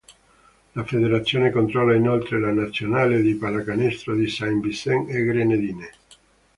La federazione controlla inoltre la nazionale di pallacanestro di Saint Vincent e Grenadine.